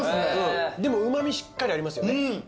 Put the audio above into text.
でもうま味しっかりありますよね。